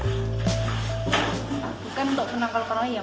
bukan untuk penangkal penangkal ya mas